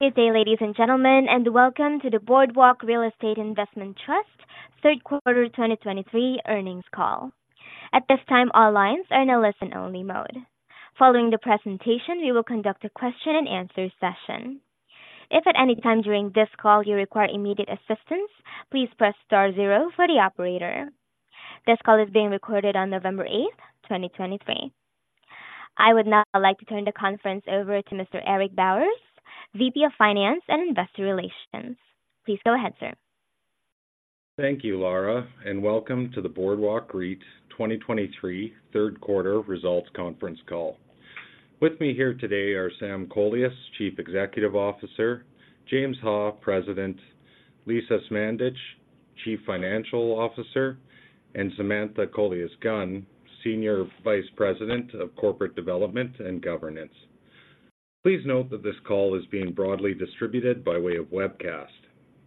Good day, ladies and gentlemen, and welcome to the Boardwalk Real Estate Investment Trust third quarter 2023 earnings call. At this time, all lines are in a listen-only mode. Following the presentation, we will conduct a question and answer session. If at any time during this call you require immediate assistance, please press star zero for the operator. This call is being recorded on November 8, 2023. I would now like to turn the conference over to Mr. Eric Bowers, VP of Finance and Investor Relations. Please go ahead, sir. Thank you, Lara, and welcome to the Boardwalk REIT's 2023 third quarter results conference call. With me here today are Sam Kolias, Chief Executive Officer, James Ha, President, Lisa Smandych, Chief Financial Officer, and Samantha Kolias-Gunn, Senior Vice President of Corporate Development and Governance. Please note that this call is being broadly distributed by way of webcast.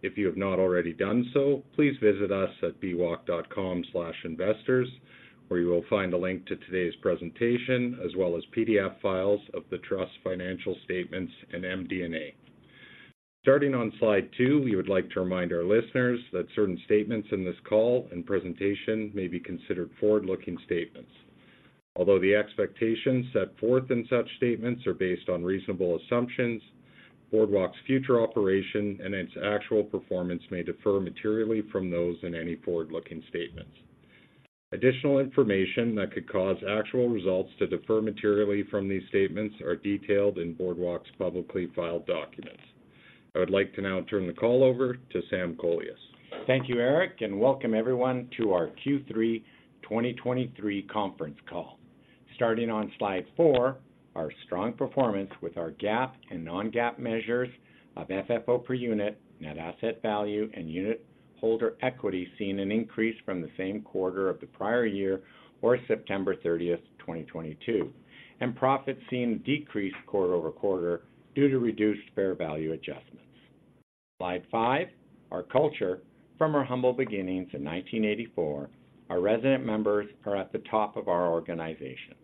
If you have not already done so, please visit us at bwalk.com/investors, where you will find a link to today's presentation, as well as PDF files of the Trust's financial statements and MD&A. Starting on slide 2, we would like to remind our listeners that certain statements in this call and presentation may be considered forward-looking statements. Although the expectations set forth in such statements are based on reasonable assumptions, Boardwalk's future operation and its actual performance may differ materially from those in any forward-looking statements. Additional information that could cause actual results to differ materially from these statements are detailed in Boardwalk's publicly filed documents. I would like to now turn the call over to Sam Kolias. Thank you, Eric, and welcome everyone to our Q3 2023 conference call. Starting on slide 4, our strong performance with our GAAP and non-GAAP measures of FFO per unit, net asset value, and unitholder equity, seen an increase from the same quarter of the prior year or September 30th, 2022, and profits seen decreased quarter-over-quarter due to reduced fair value adjustments. Slide 5, Our culture. From our humble beginnings in 1984, our resident members are at the top of our organization.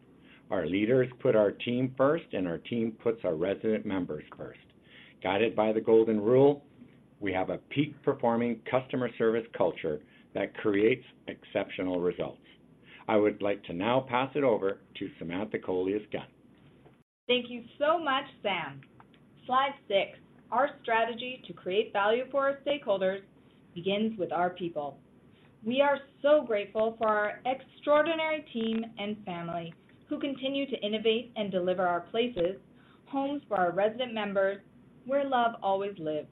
Our leaders put our team first, and our team puts our resident members first. Guided by the golden rule, we have a peak-performing customer service culture that creates exceptional results. I would like to now pass it over to Samantha Kolias-Gunn. Thank you so much, Sam. Slide 6. Our strategy to create value for our stakeholders begins with our people. We are so grateful for our extraordinary team and family who continue to innovate and deliver our places, homes for our resident members, where love always lives.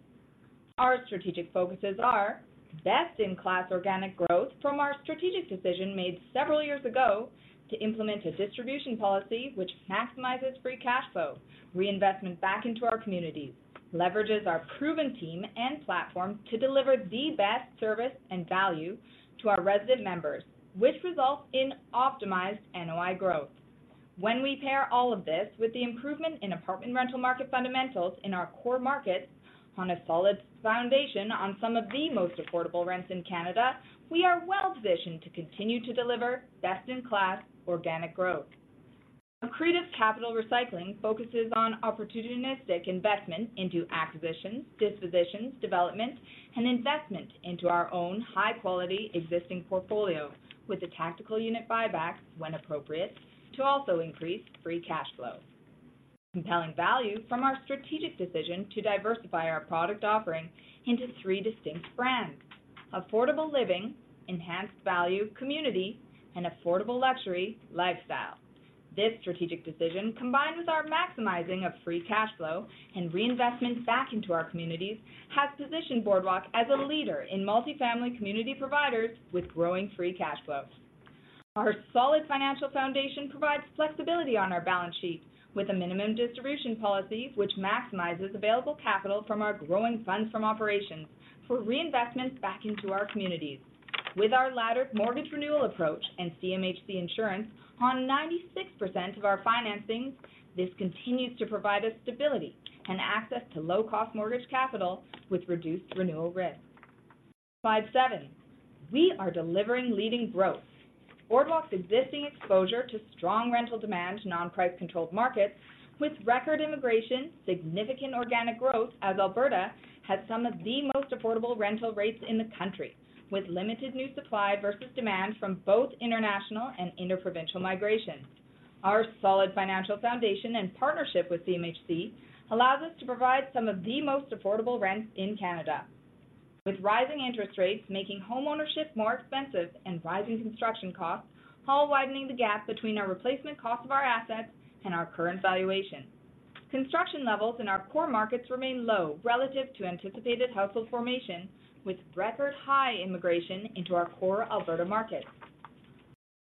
Our strategic focuses are: best-in-class organic growth from our strategic decision made several years ago to implement a distribution policy which maximizes free cash flow, reinvestment back into our communities, leverages our proven team and platform to deliver the best service and value to our resident members, which results in optimized NOI growth. When we pair all of this with the improvement in apartment rental market fundamentals in our core markets on a solid foundation on some of the most affordable rents in Canada, we are well-positioned to continue to deliver best-in-class organic growth. Accretive capital recycling focuses on opportunistic investment into acquisitions, dispositions, development, and investment into our own high-quality existing portfolio, with the tactical unit buyback, when appropriate, to also increase free cash flow. Compelling value from our strategic decision to diversify our product offering into three distinct brands: Affordable Living, Enhanced Value Community, and Affordable Luxury Lifestyle. This strategic decision, combined with our maximizing of free cash flow and reinvestment back into our communities, has positioned Boardwalk as a leader in multifamily community providers with growing free cash flow. Our solid financial foundation provides flexibility on our balance sheet with a minimum distribution policy, which maximizes available capital from our growing funds from operations for reinvestment back into our communities. With our laddered mortgage renewal approach and CMHC insurance on 96% of our financings, this continues to provide us stability and access to low-cost mortgage capital with reduced renewal risk. Slide 7. We are delivering leading growth. Boardwalk's existing exposure to strong rental demand, non-price controlled markets with record immigration, significant organic growth, as Alberta has some of the most affordable rental rates in the country, with limited new supply versus demand from both international and inter-provincial migration. Our solid financial foundation and partnership with CMHC allows us to provide some of the most affordable rents in Canada, with rising interest rates making homeownership more expensive, and rising construction costs all widening the gap between our replacement cost of our assets and our current valuation. Construction levels in our core markets remain low relative to anticipated household formation, with record high immigration into our core Alberta markets.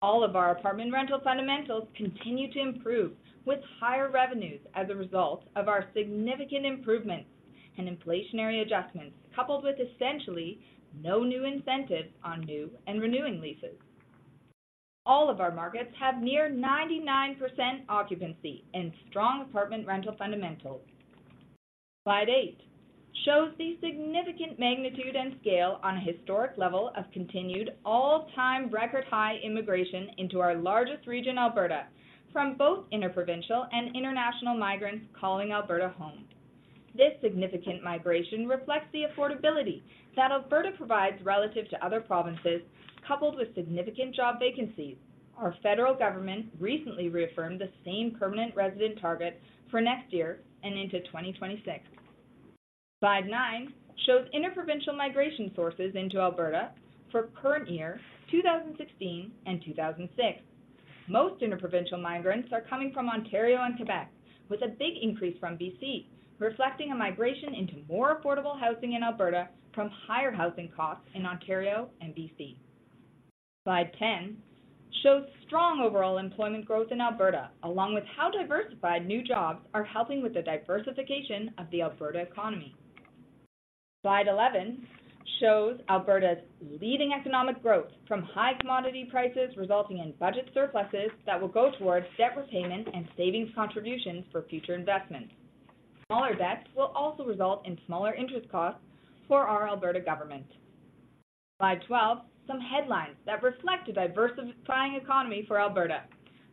All of our apartment rental fundamentals continue to improve, with higher revenues as a result of our significant improvements and inflationary adjustments, coupled with essentially no new incentives on new and renewing leases. All of our markets have near 99% occupancy and strong apartment rental fundamentals. Slide 8 shows the significant magnitude and scale on a historic level of continued all-time record-high immigration into our largest region, Alberta, from both inter-provincial and international migrants calling Alberta home. This significant migration reflects the affordability that Alberta provides relative to other provinces, coupled with significant job vacancies. Our federal government recently reaffirmed the same permanent resident target for next year and into 2026. Slide 9 shows inter-provincial migration sources into Alberta for current year, 2016 and 2006. Most inter-provincial migrants are coming from Ontario and Quebec, with a big increase from BC, reflecting a migration into more affordable housing in Alberta from higher housing costs in Ontario and BC. Slide 10 shows strong overall employment growth in Alberta, along with how diversified new jobs are helping with the diversification of the Alberta economy. Slide 11 shows Alberta's leading economic growth from high commodity prices, resulting in budget surpluses that will go towards debt repayment and savings contributions for future investment. Smaller debts will also result in smaller interest costs for our Alberta government. Slide 12, some headlines that reflect a diversifying economy for Alberta.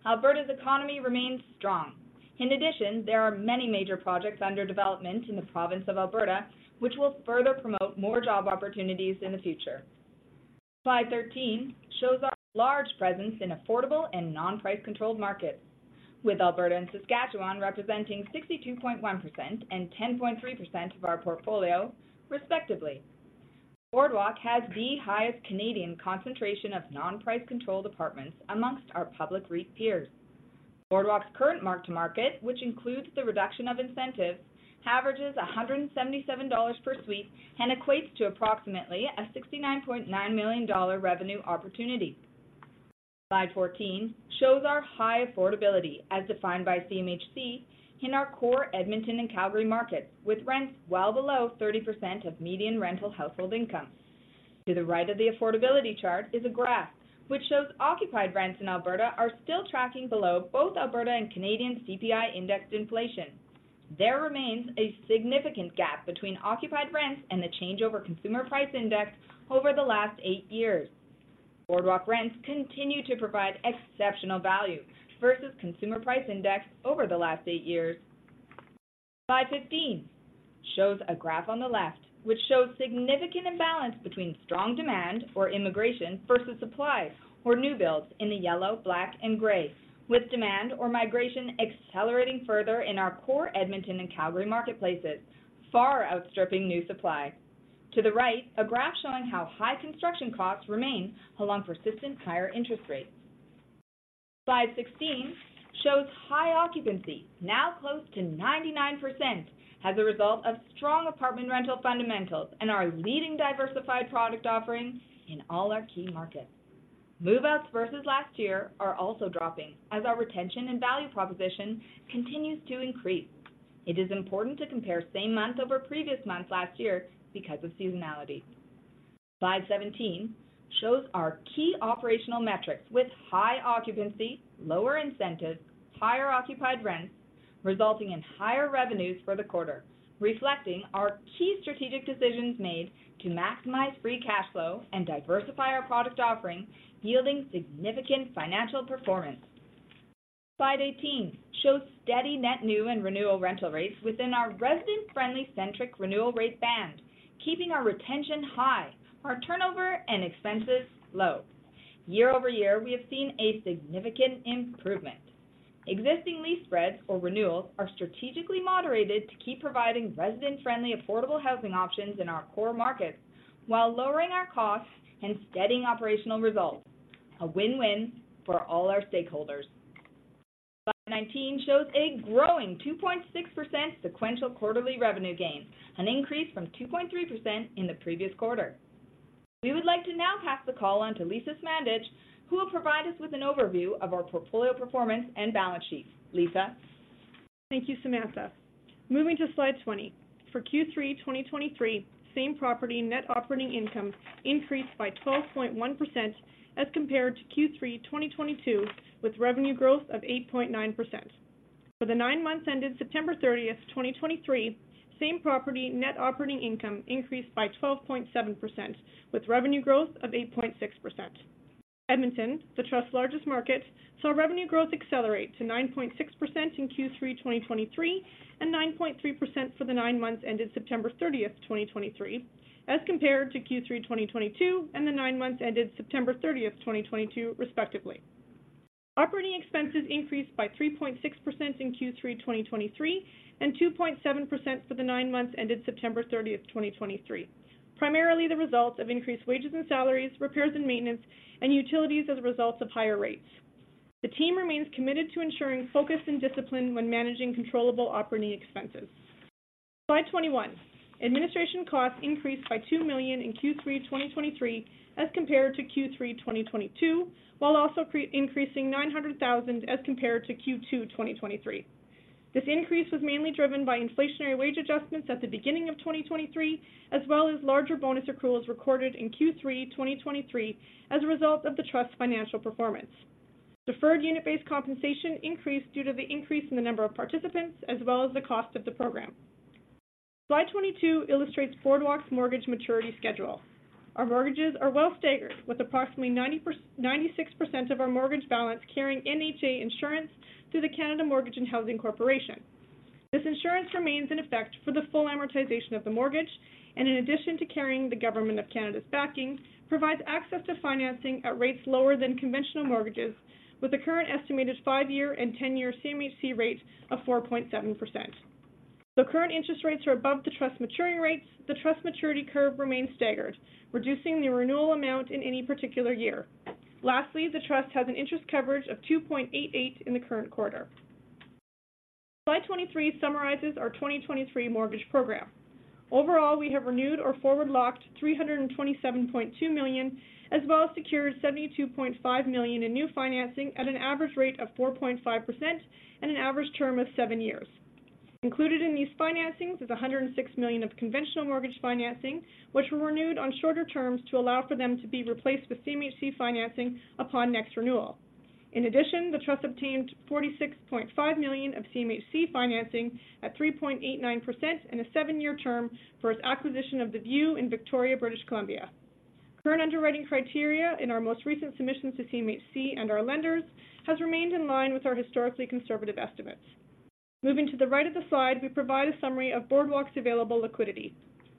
Alberta's economy remains strong. In addition, there are many major projects under development in the province of Alberta, which will further promote more job opportunities in the future. Slide 13 shows our large presence in affordable and non-price-controlled markets, with Alberta and Saskatchewan representing 62.1% and 10.3% of our portfolio, respectively. Boardwalk has the highest Canadian concentration of non-price-controlled apartments amongst our public REIT peers. Boardwalk's current mark-to-market, which includes the reduction of incentives, averages CAD 177 per suite and equates to approximately CAD 69.9 million revenue opportunity. Slide 14 shows our high affordability, as defined by CMHC, in our core Edmonton and Calgary markets, with rents well below 30% of median rental household income. To the right of the affordability chart is a graph which shows occupied rents in Alberta are still tracking below both Alberta and Canadian CPI indexed inflation. There remains a significant gap between occupied rents and the changeover consumer price index over the last 8 years. Boardwalk rents continue to provide exceptional value versus consumer price index over the last 8 years. Slide 15 shows a graph on the left, which shows significant imbalance between strong demand or immigration versus supply or new builds in the yellow, black, and gray, with demand or migration accelerating further in our core Edmonton and Calgary marketplaces, far outstripping new supply. To the right, a graph showing how high construction costs remain along persistent higher interest rates. Slide 16 shows high occupancy, now close to 99%, as a result of strong apartment rental fundamentals and our leading diversified product offerings in all our key markets. Move-outs versus last year are also dropping as our retention and value proposition continues to increase. It is important to compare same month over previous months last year because of seasonality. Slide 17 shows our key operational metrics with high occupancy, lower incentives, higher occupied rents, resulting in higher revenues for the quarter, reflecting our key strategic decisions made to maximize free cash flow and diversify our product offering, yielding significant financial performance. Slide 18 shows steady net new and renewal rental rates within our resident-friendly centric renewal rate band, keeping our retention high, our turnover and expenses low. Year-over-year, we have seen a significant improvement. Existing lease spreads or renewals are strategically moderated to keep providing resident-friendly, affordable housing options in our core markets while lowering our costs and steadying operational results. A win-win for all our stakeholders. Slide 19 shows a growing 2.6% sequential quarterly revenue gain, an increase from 2.3% in the previous quarter. We would like to now pass the call on to Lisa Smandych, who will provide us with an overview of our portfolio performance and balance sheet. Lisa? Thank you, Samantha. Moving to slide 20. For Q3 2023, same-property net operating income increased by 12.1% as compared to Q3 2022, with revenue growth of 8.9%. For the nine months ended September 30th, 2023, same-property net operating income increased by 12.7%, with revenue growth of 8.6%. Edmonton, the trust's largest market, saw revenue growth accelerate to 9.6% in Q3 2023, and 9.3% for the nine months ended September 30th, 2023, as compared to Q3 2022 and the nine months ended September 30th, 2022, respectively. Operating expenses increased by 3.6% in Q3 2023, and 2.7% for the nine months ended September 30th, 2023, primarily the results of increased wages and salaries, repairs and maintenance, and utilities as a result of higher rates. The team remains committed to ensuring focus and discipline when managing controllable operating expenses. Slide 21, administration costs increased by 2 million in Q3 2023 as compared to Q3 2022, while also increasing 900,000 as compared to Q2 2023. This increase was mainly driven by inflationary wage adjustments at the beginning of 2023, as well as larger bonus accruals recorded in Q3 2023 as a result of the trust's financial performance. Deferred unit-based compensation increased due to the increase in the number of participants, as well as the cost of the program. Slide 22 illustrates Boardwalk's mortgage maturity schedule. Our mortgages are well staggered, with approximately 96% of our mortgage balance carrying NHA insurance through the Canada Mortgage and Housing Corporation. This insurance remains in effect for the full amortization of the mortgage, and in addition to carrying the government of Canada's backing, provides access to financing at rates lower than conventional mortgages, with the current estimated 5-year and 10-year CMHC rate of 4.7%. The current interest rates are above the trust maturing rates. The trust maturity curve remains staggered, reducing the renewal amount in any particular year. Lastly, the trust has an interest coverage of 2.88 in the current quarter. Slide 23 summarizes our 2023 mortgage program. Overall, we have renewed or forward-locked 327.2 million, as well as secured 72.5 million in new financing at an average rate of 4.5% and an average term of 7 years. Included in these financings is 106 million of conventional mortgage financing, which were renewed on shorter terms to allow for them to be replaced with CMHC financing upon next renewal. In addition, the trust obtained 46.5 million of CMHC financing at 3.89% in a 7-year term for its acquisition of The View in Victoria, British Columbia. Current underwriting criteria in our most recent submissions to CMHC and our lenders has remained in line with our historically conservative estimates. Moving to the right of the slide, we provide a summary of Boardwalk's available liquidity.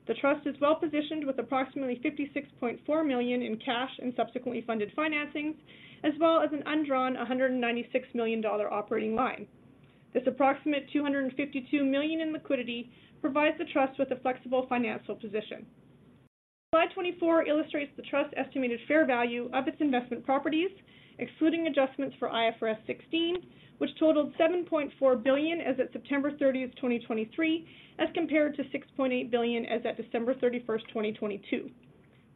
The trust is well-positioned with approximately 56.4 million in cash and subsequently funded financings, as well as an undrawn 196 million dollar operating line. This approximate 252 million in liquidity provides the trust with a flexible financial position. Slide 24 illustrates the trust's estimated fair value of its investment properties, excluding adjustments for IFRS 16, which totaled 7.4 billion as of September 30th, 2023, as compared to 6.8 billion as at December 31st, 2022.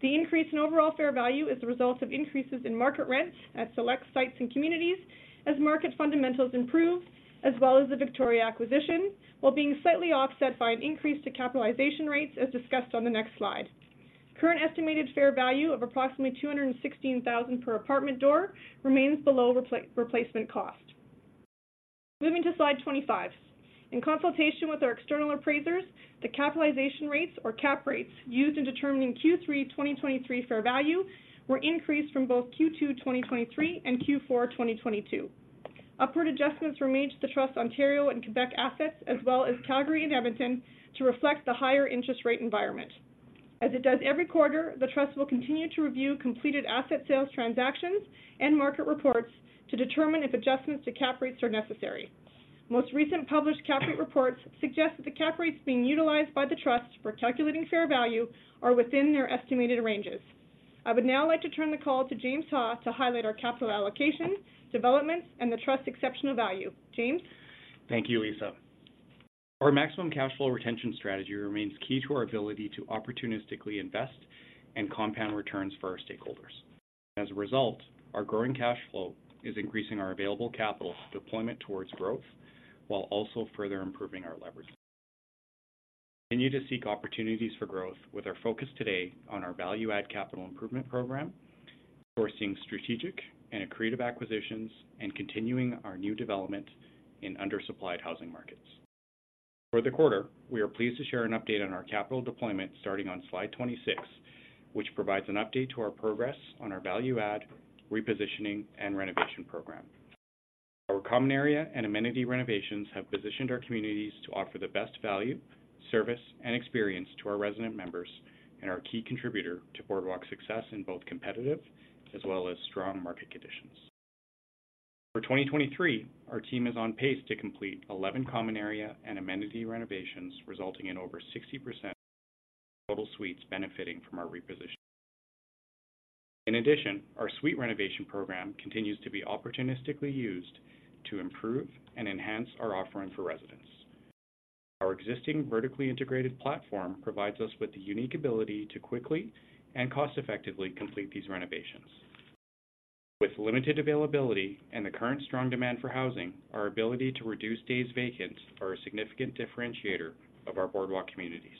The increase in overall fair value is the result of increases in market rents at select sites and communities as market fundamentals improved, as well as the Victoria acquisition, while being slightly offset by an increase to capitalization rates, as discussed on the next slide. Current estimated fair value of approximately 216,000 per apartment door remains below replacement cost. Moving to slide 25. In consultation with our external appraisers, the capitalization rates or cap rates used in determining Q3 2023 fair value were increased from both Q2 2023 and Q4 2022. Upward adjustments were made to the Trust's Ontario and Quebec assets, as well as Calgary and Edmonton, to reflect the higher interest rate environment. As it does every quarter, the trust will continue to review completed asset sales, transactions, and market reports to determine if adjustments to cap rates are necessary. Most recent published cap rate reports suggest that the cap rates being utilized by the trust for calculating fair value are within their estimated ranges. I would now like to turn the call to James Ha to highlight our capital allocation, developments, and the Trust's exceptional value. James? Thank you, Lisa. Our maximum cash flow retention strategy remains key to our ability to opportunistically invest and compound returns for our stakeholders. As a result, our growing cash flow is increasing our available capital deployment towards growth, while also further improving our leverage. We continue to seek opportunities for growth, with our focus today on our value-add capital improvement program, sourcing strategic and accretive acquisitions, and continuing our new development in undersupplied housing markets. For the quarter, we are pleased to share an update on our capital deployment, starting on slide 26, which provides an update to our progress on our value add, repositioning, and renovation program. Our common area and amenity renovations have positioned our communities to offer the best value, service, and experience to our resident members and are a key contributor to Boardwalk's success in both competitive as well as strong market conditions. For 2023, our team is on pace to complete 11 common area and amenity renovations, resulting in over 60% of total suites benefiting from our reposition. In addition, our suite renovation program continues to be opportunistically used to improve and enhance our offering for residents. Our existing vertically integrated platform provides us with the unique ability to quickly and cost-effectively complete these renovations. With limited availability and the current strong demand for housing, our ability to reduce days vacant are a significant differentiator of our Boardwalk communities.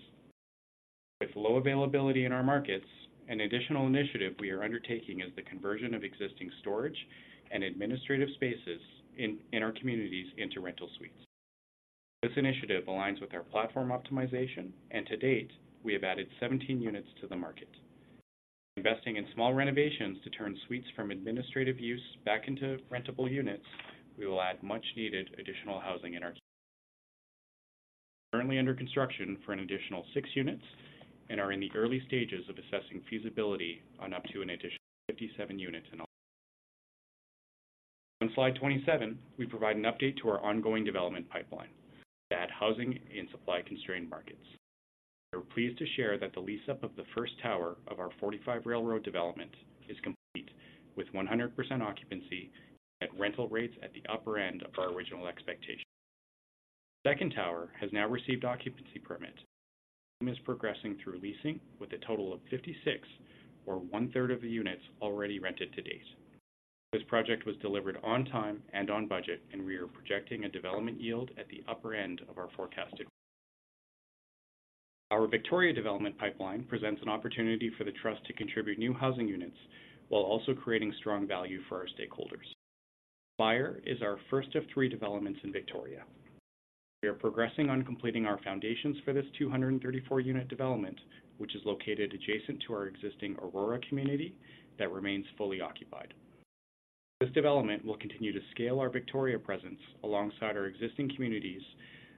With low availability in our markets, an additional initiative we are undertaking is the conversion of existing storage and administrative spaces in our communities into rental suites. This initiative aligns with our platform optimization, and to date, we have added 17 units to the market. Investing in small renovations to turn suites from administrative use back into rentable units, we will add much-needed additional housing in our. We are currently under construction for an additional 6 units and are in the early stages of assessing feasibility on up to an additional 57 units in all. On slide 27, we provide an update to our ongoing development pipeline, that housing in supply-constrained markets. We are pleased to share that the lease-up of the first tower of our 45 Railroad development is complete, with 100% occupancy at rental rates at the upper end of our original expectations. Second tower has now received an occupancy permit and is progressing through leasing, with a total of 56 or 1/3 of the units already rented to date. This project was delivered on time and on budget, and we are projecting a development yield at the upper end of our forecasted. Our Victoria development pipeline presents an opportunity for the trust to contribute new housing units while also creating strong value for our stakeholders. Briar is our first of three developments in Victoria. We are progressing on completing our foundations for this 234-unit development, which is located adjacent to our existing Aurora community that remains fully occupied. This development will continue to scale our Victoria presence alongside our existing communities,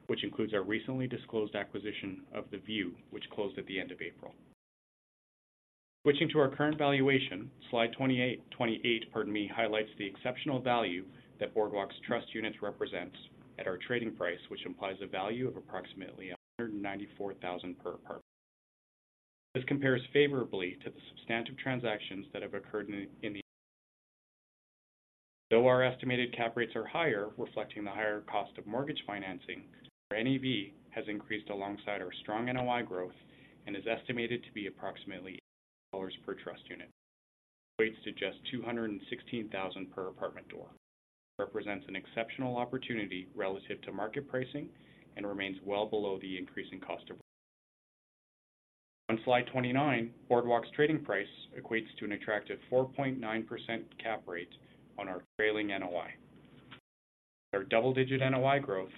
which includes our recently disclosed acquisition of The View, which closed at the end of April. Switching to our current valuation, slide 28, 28, pardon me, highlights the exceptional value that Boardwalk's Trust Units represent at our trading price, which implies a value of approximately 194,000 per apartment. This compares favorably to the substantive transactions that have occurred. Though our estimated cap rates are higher, reflecting the higher cost of mortgage financing, our NAV has increased alongside our strong NOI growth and is estimated to be approximately 8 dollars per Trust Unit. Equates to just 216,000 per apartment door. Represents an exceptional opportunity relative to market pricing and remains well below the increasing cost of. On slide 29, Boardwalk's trading price equates to an attractive 4.9% cap rate on our trailing NOI. Our double-digit NOI growth,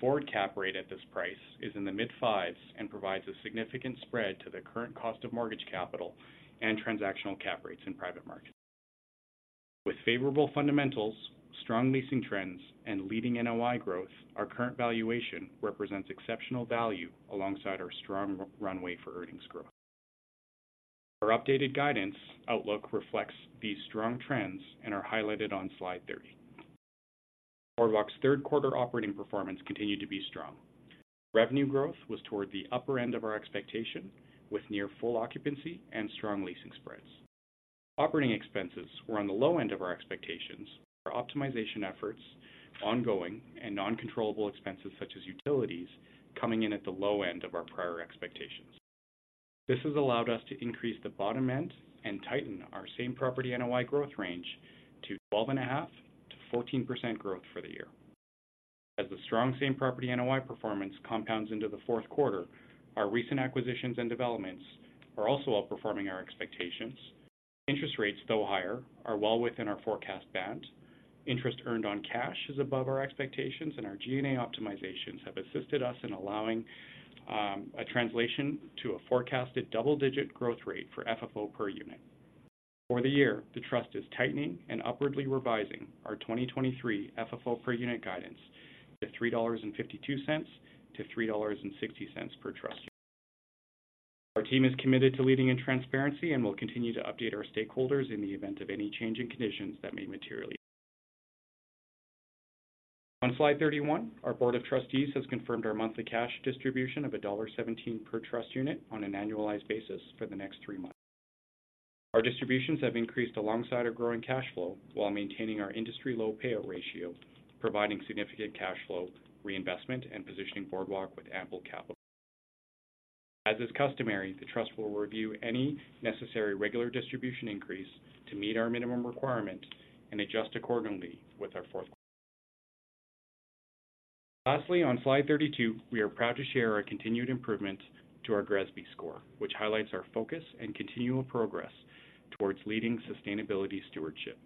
the forward cap rate at this price is in the mid-fives and provides a significant spread to the current cost of mortgage capital and transactional cap rates in private markets. With favorable fundamentals, strong leasing trends, and leading NOI growth, our current valuation represents exceptional value alongside our strong runway for earnings growth. Our updated guidance outlook reflects these strong trends and are highlighted on slide 30. Boardwalk's third quarter operating performance continued to be strong. Revenue growth was toward the upper end of our expectation, with near full occupancy and strong leasing spreads. Operating expenses were on the low end of our expectations. Our optimization efforts, ongoing and non-controllable expenses such as utilities, coming in at the low end of our prior expectations. This has allowed us to increase the bottom end and tighten our same-property NOI growth range to 12.5%-14% growth for the year. As the strong same-property NOI performance compounds into the fourth quarter, our recent acquisitions and developments are also outperforming our expectations. Interest rates, though higher, are well within our forecast band. Interest earned on cash is above our expectations, and our G&A optimizations have assisted us in allowing a translation to a forecasted double-digit growth rate for FFO per unit. For the year, the trust is tightening and upwardly revising our 2023 FFO per unit guidance to 3.52-3.60 dollars per Trust Unit. Our team is committed to leading in transparency, and we'll continue to update our stakeholders in the event of any changing conditions that may materially. On slide 31, our board of trustees has confirmed our monthly cash distribution of dollar 1.17 per Trust Unit on an annualized basis for the next three months. Our distributions have increased alongside our growing cash flow while maintaining our industry-low payout ratio, providing significant cash flow, reinvestment, and positioning Boardwalk with ample capital. As is customary, the trust will review any necessary regular distribution increase to meet our minimum requirement and adjust accordingly with our fourth. Lastly, on slide 32, we are proud to share our continued improvement to our GRESB score, which highlights our focus and continual progress towards leading sustainability stewardship.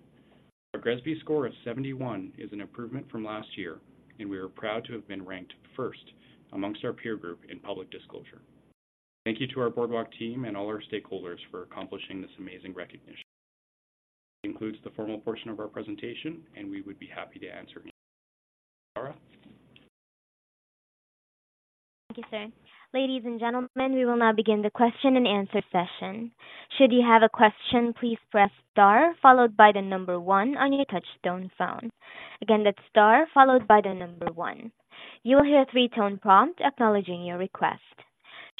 Our GRESB score of 71 is an improvement from last year, and we are proud to have been ranked first amongst our peer group in public disclosure. Thank you to our Boardwalk team and all our stakeholders for accomplishing this amazing recognition. This concludes the formal portion of our presentation, and we would be happy to answer. Lara? Thank you, sir. Ladies and gentlemen, we will now begin the question and answer session. Should you have a question, please press star followed by the number one on your touchtone phone. Again, that's star followed by the number one. You will hear a three-tone prompt acknowledging your request.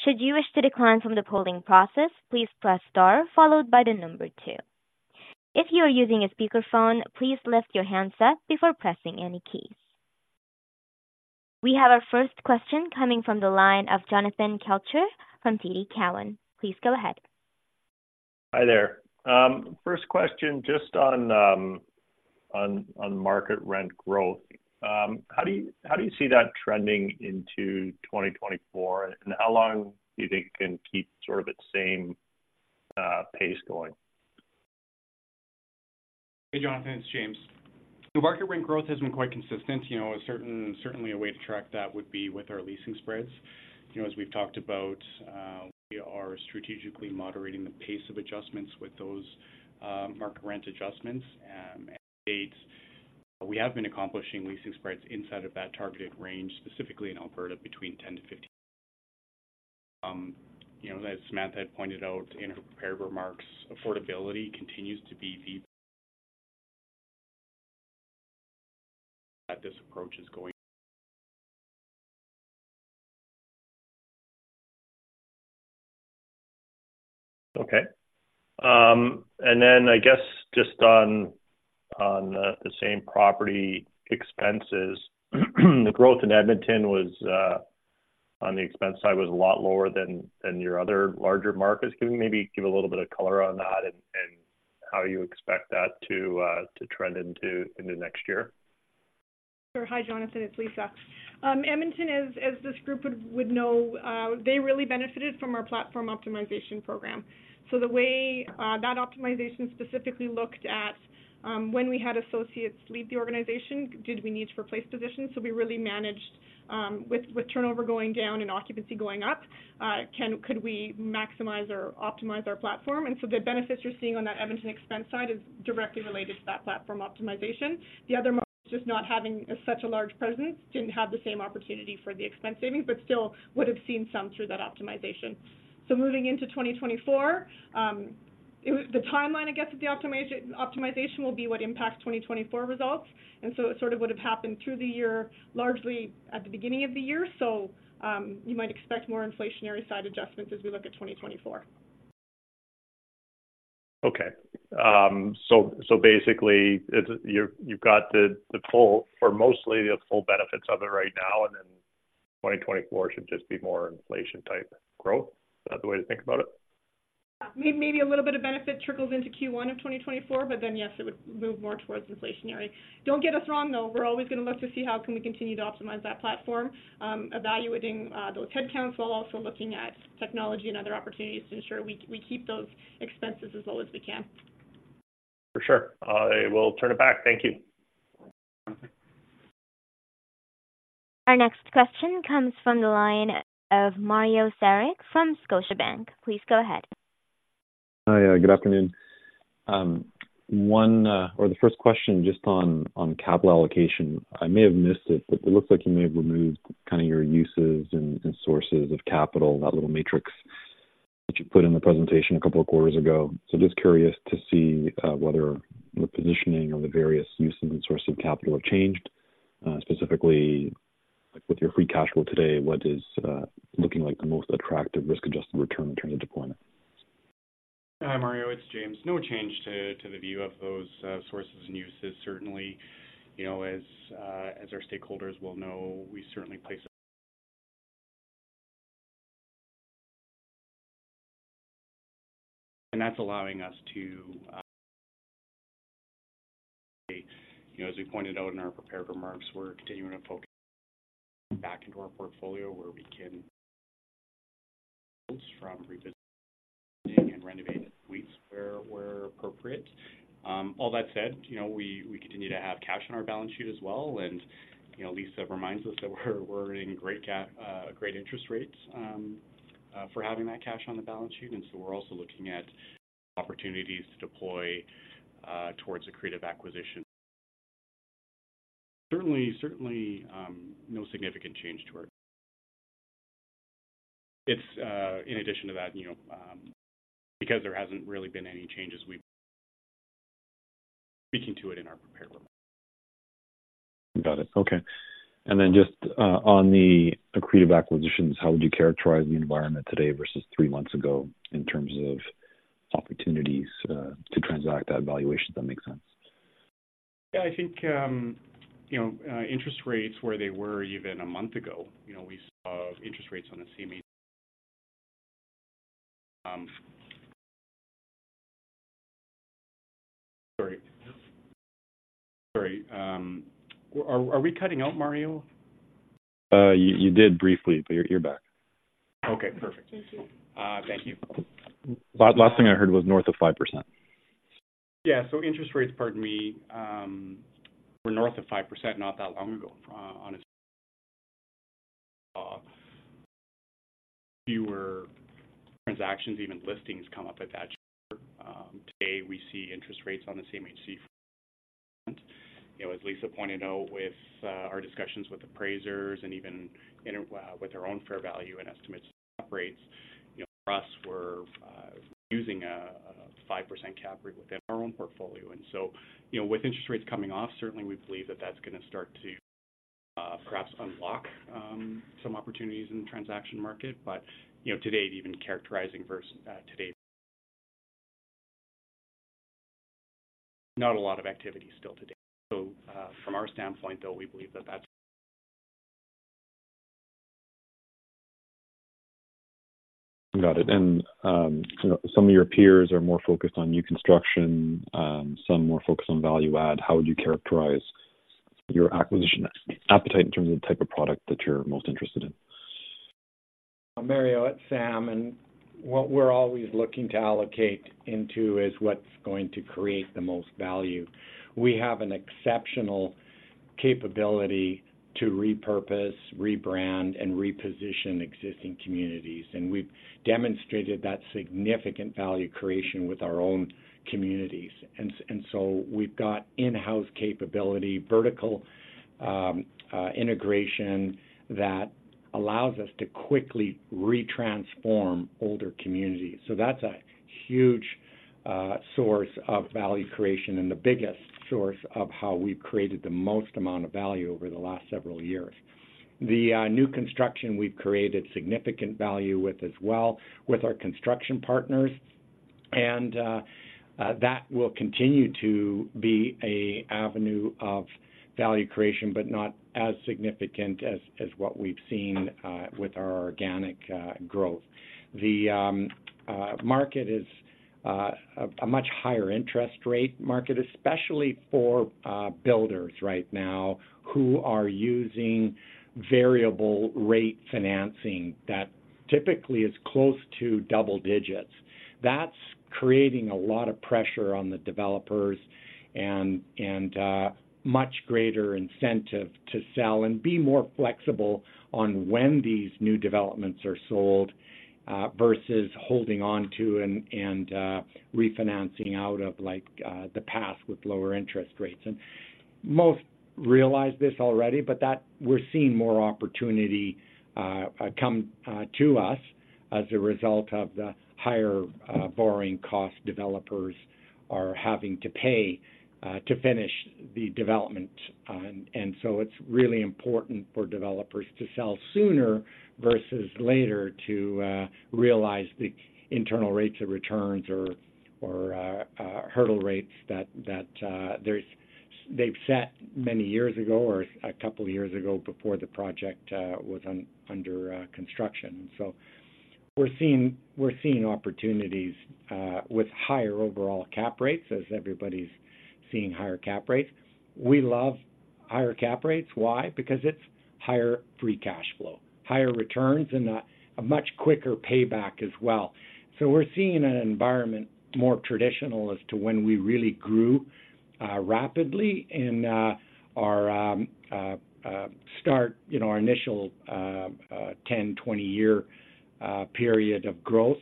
Should you wish to decline from the polling process, please press star followed by the number two. If you are using a speakerphone, please lift your handset before pressing any keys. We have our first question coming from the line of Jonathan Kelcher from TD Cowen. Please go ahead. Hi there. First question, just on market rent growth. How do you see that trending into 2024, and how long do you think it can keep sort of its same pace going? Hey, Jonathan, it's James. The market rent growth has been quite consistent. You know, certainly, a way to track that would be with our leasing spreads. You know, as we've talked about, we are strategically moderating the pace of adjustments with those market rent adjustments. And to date, we have been accomplishing leasing spreads inside of that targeted range, specifically in Alberta, between 10-15. You know, as Samantha had pointed out in her prepared remarks, affordability continues to be the that this approach is going. Okay. And then I guess just on the same property expenses, the growth in Edmonton was on the expense side a lot lower than your other larger markets. Can you maybe give a little bit of color on that and how you expect that to trend into next year? Sure. Hi, Jonathan, it's Lisa. Edmonton, as this group would know, they really benefited from our platform optimization program. So the way that optimization specifically looked at, when we had associates leave the organization, did we need to replace positions? So we really managed, with turnover going down and occupancy going up, could we maximize or optimize our platform? And so the benefits you're seeing on that Edmonton expense side is directly related to that platform optimization. The other, just not having such a large presence, didn't have the same opportunity for the expense savings, but still would have seen some through that optimization. So moving into 2024, the timeline, I guess, of the optimization will be what impacts 2024 results. It sort of would have happened through the year, largely at the beginning of the year. You might expect more inflationary side adjustments as we look at 2024. Okay. So basically, you've got the full or mostly the full benefits of it right now, and then 2024 should just be more inflation-type growth. Is that the way to think about it? Maybe a little bit of benefit trickles into Q1 of 2024, but then, yes, it would move more towards inflationary. Don't get us wrong, though. We're always going to look to see how can we continue to optimize that platform, evaluating those headcounts, while also looking at technology and other opportunities to ensure we, we keep those expenses as low as we can. For sure. I will turn it back. Thank you. Our next question comes from the line of Mario Saric from Scotiabank. Please go ahead. Hi, good afternoon. One or the first question, just on capital allocation. I may have missed it, but it looks like you may have removed kind of your uses and sources of capital, that little matrix that you put in the presentation a couple of quarters ago. So just curious to see whether the positioning or the various uses and sources of capital have changed. Specifically, with your free cash flow today, what is looking like the most attractive risk-adjusted return in terms of deployment? Hi, Mario, it's James. No change to the view of those sources and uses. Certainly, you know, as our stakeholders well know, we certainly place that's allowing us to. You know, as we pointed out in our prepared remarks, we're continuing to focus back into our portfolio where we can from revisiting and renovating suites where appropriate. All that said, you know, we continue to have cash on our balance sheet as well, and, you know, Lisa reminds us that we're in great interest rates for having that cash on the balance sheet. So we're also looking at opportunities to deploy towards accretive acquisition. Certainly, certainly, no significant change to our. It's in addition to that, you know, because there hasn't really been any changes, we. Speaking to it in our prepared remarks. Got it. Okay. And then just, on the accretive acquisitions, how would you characterize the environment today versus three months ago in terms of opportunities, to transact at valuations, if that makes sense? Yeah, I think, you know, interest rates, where they were even a month ago, you know, we saw interest rates on the CMHC. Sorry. Sorry, are we cutting out, Mario? You, you did briefly, but you're back. Okay, perfect. Thank you. Thank you. Last thing I heard was north of 5%. Yeah, so interest rates, pardon me, were north of 5% not that long ago, on a fewer transactions, even listings come up at that number. Today, we see interest rates on the CMHC. You know, as Lisa pointed out, with our discussions with appraisers and even in with our own fair value and estimates rates, you know, for us, we're using a 5% cap rate within our own portfolio. And so, you know, with interest rates coming off, certainly we believe that that's going to start to perhaps unlock some opportunities in the transaction market. But, you know, today, even characterizing versus today. Not a lot of activity still today. So, from our standpoint, though, we believe that that's. Got it. And, some of your peers are more focused on new construction, some more focused on value add. How would you characterize your acquisition appetite in terms of the type of product that you're most interested in? Mario, it's Sam, and what we're always looking to allocate into is what's going to create the most value. We have an exceptional capability to repurpose, rebrand, and reposition existing communities, and we've demonstrated that significant value creation with our own communities. And so we've got in-house capability, vertical integration that allows us to quickly retransform older communities. So that's a huge source of value creation and the biggest source of how we've created the most amount of value over the last several years. The new construction, we've created significant value with as well, with our construction partners. And that will continue to be a avenue of value creation, but not as significant as what we've seen with our organic growth. The market is a much higher interest rate market, especially for builders right now, who are using variable rate financing that typically is close to double digits. That's creating a lot of pressure on the developers and much greater incentive to sell and be more flexible on when these new developments are sold versus holding on to and refinancing out of, like the past with lower interest rates. And most realize this already, but that-- we're seeing more opportunity come to us as a result of the higher borrowing cost developers are having to pay to finish the development. And so it's really important for developers to sell sooner versus later to realize the internal rates of returns or hurdle rates that they've set many years ago or a couple of years ago before the project was under construction. So we're seeing opportunities with higher overall cap rates, as everybody's seeing higher cap rates. We love higher cap rates. Why? Because it's higher free cash flow, higher returns, and a much quicker payback as well. So we're seeing an environment more traditional as to when we really grew rapidly in our start, you know, our initial 10 to 20-year period of growth.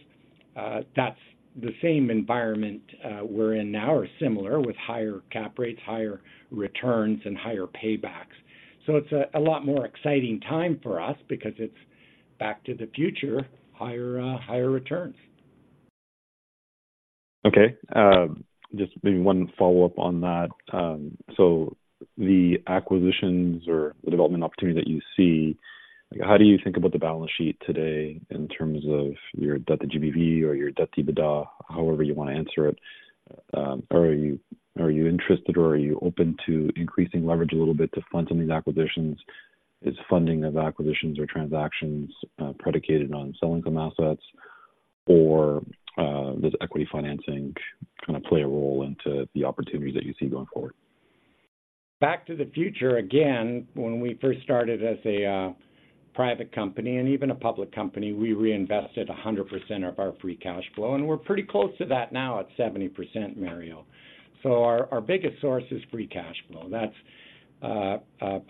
That's the same environment we're in now or similar, with higher cap rates, higher returns, and higher paybacks. So it's a lot more exciting time for us because it's back to the future: higher, higher returns. Okay. Just maybe one follow-up on that. So the acquisitions or the development opportunity that you see, how do you think about the balance sheet today in terms of your debt-to-GBV or your debt-to-EBITDA, however you want to answer it? Are you, are you interested or are you open to increasing leverage a little bit to fund some of these acquisitions? Is funding of acquisitions or transactions predicated on selling some assets, or does equity financing kind of play a role into the opportunities that you see going forward? Back to the future again. When we first started as a private company and even a public company, we reinvested 100% of our free cash flow, and we're pretty close to that now at 70%, Mario. So our biggest source is free cash flow. That's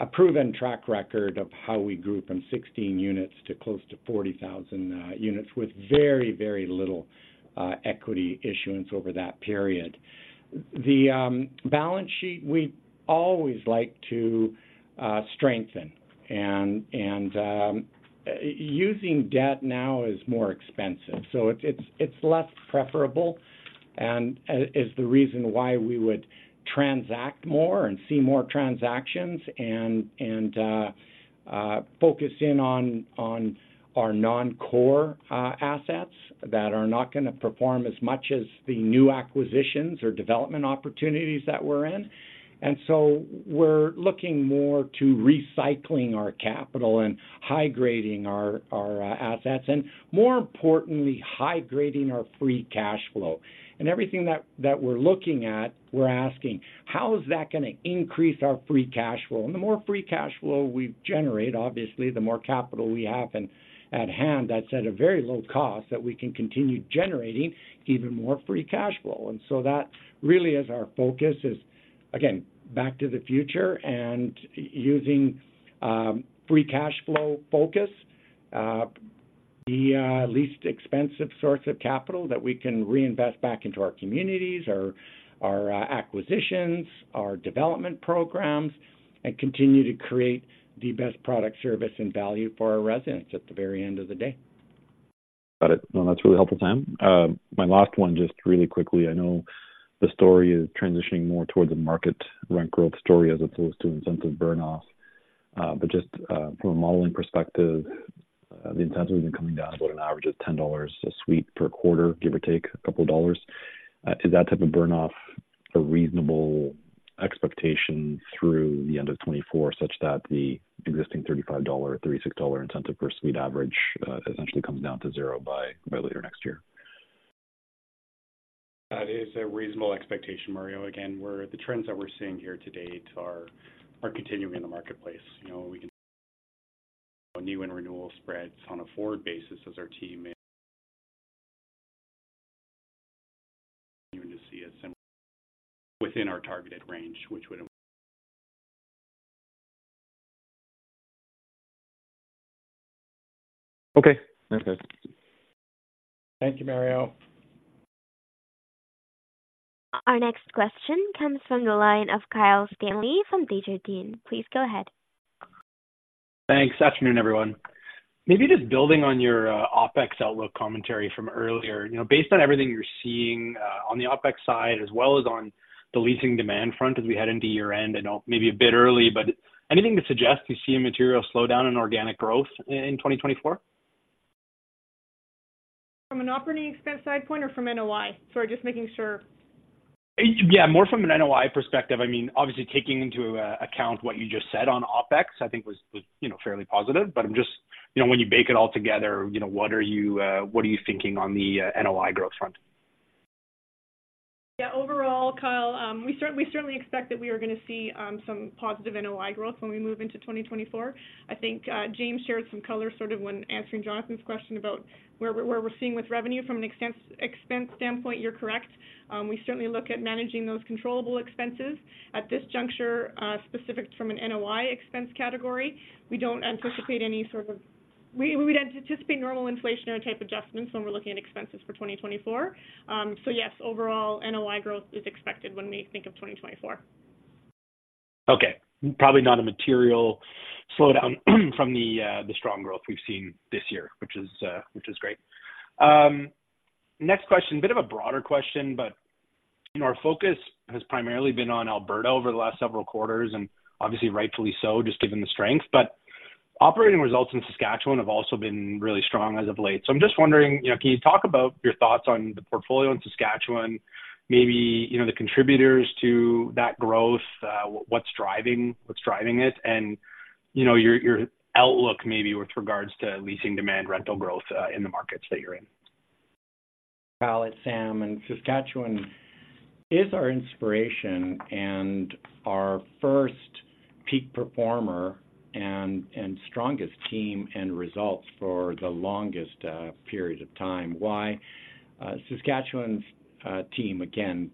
a proven track record of how we grew from 16 units to close to 40,000 units, with very, very little equity issuance over that period. The balance sheet, we always like to strengthen. And using debt now is more expensive, so it's less preferable and is the reason why we would transact more and see more transactions and focus in on our non-core assets that are not gonna perform as much as the new acquisitions or development opportunities that we're in. And so we're looking more to recycling our capital and high-grading our assets, and more importantly, high-grading our free cash flow. Everything that we're looking at, we're asking: How is that gonna increase our free cash flow? And the more free cash flow we generate, obviously, the more capital we have and at hand, that's at a very low cost, that we can continue generating even more free cash flow. And so that really is our focus, is, again, back to the future and using free cash flow focus, the least expensive source of capital that we can reinvest back into our communities, our acquisitions, our development programs, and continue to create the best product, service, and value for our residents at the very end of the day. Got it. No, that's really helpful, Tim. My last one, just really quickly, I know the story is transitioning more towards a market rent growth story as opposed to incentive burn off. But just, from a modeling perspective, the incentives have been coming down about an average of 10 dollars a suite per quarter, give or take a couple of dollars. Is that type of burn off a reasonable expectation through the end of 2024, such that the existing 35 dollar, 36 dollar incentive per suite average, essentially comes down to 0 by, by later next year? That is a reasonable expectation, Mario. Again, we're, the trends that we're seeing here to date are continuing in the marketplace. You know, we can new and renewal spreads on a forward basis as our team continuing to see a within our targeted range, which would. Okay. Thank you, Mario. Our next question comes from the line of Kyle Stanley from Desjardins. Please go ahead. Thanks. Afternoon, everyone. Maybe just building on your OpEx outlook commentary from earlier. You know, based on everything you're seeing on the OpEx side, as well as on the leasing demand front as we head into year-end, I know maybe a bit early, but anything to suggest you see a material slowdown in organic growth in 2024? From an operating expense side point or from NOI? Sorry, just making sure. Yeah, more from an NOI perspective. I mean, obviously, taking into account what you just said on OpEx, I think was, you know, fairly positive. But I'm just, you know, when you bake it all together, you know, what are you thinking on the NOI growth front? Yeah, overall, Kyle, we certainly expect that we are gonna see some positive NOI growth when we move into 2024. I think James shared some color, sort of when answering Jonathan's question about where we're seeing with revenue from an expense, expense standpoint, you're correct. We certainly look at managing those controllable expenses. At this juncture, specific from an NOI expense category, we don't anticipate any sort of—we'd anticipate normal inflationary type adjustments when we're looking at expenses for 2024. So yes, overall, NOI growth is expected when we think of 2024. Okay, probably not a material slowdown from the strong growth we've seen this year, which is great. Next question, bit of a broader question, but you know, our focus has primarily been on Alberta over the last several quarters, and obviously rightfully so, just given the strength. But operating results in Saskatchewan have also been really strong as of late. So I'm just wondering, you know, can you talk about your thoughts on the portfolio in Saskatchewan, maybe you know, the contributors to that growth, what's driving it? And you know, your outlook maybe with regards to leasing demand, rental growth in the markets that you're in. Kyle, it's Sam, and Saskatchewan is our inspiration and our first peak performer and strongest team and results for the longest period of time. Why? Saskatchewan's team, again,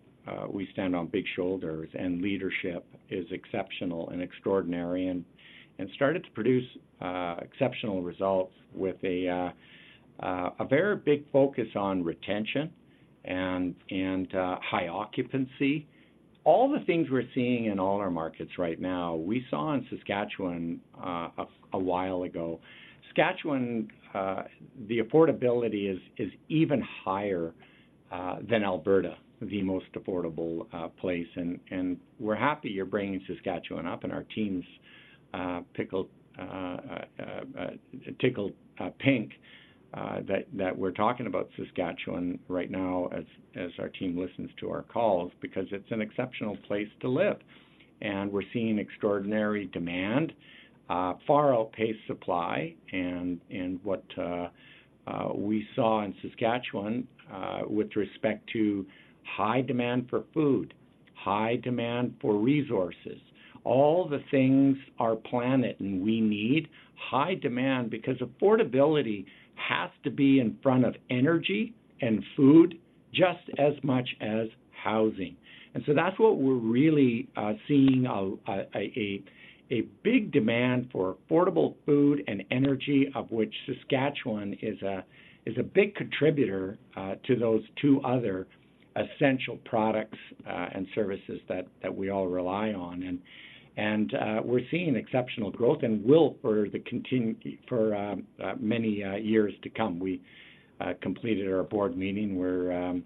we stand on big shoulders, and leadership is exceptional and extraordinary and started to produce exceptional results with a very big focus on retention and high occupancy. All the things we're seeing in all our markets right now, we saw in Saskatchewan a while ago. Saskatchewan, the affordability is even higher than Alberta, the most affordable place, and we're happy you're bringing Saskatchewan up, and our team's pickled, tickled pink that we're talking about Saskatchewan right now as our team listens to our calls, because it's an exceptional place to live. We're seeing extraordinary demand far outpace supply. What we saw in Saskatchewan with respect to high demand for food, high demand for resources, all the things our planet and we need, high demand because affordability has to be in front of energy and food just as much as housing. So that's what we're really seeing, a big demand for affordable food and energy, of which Saskatchewan is a big contributor to those two other essential products and services that we all rely on. We're seeing exceptional growth and will for many years to come. We completed our board meeting. We're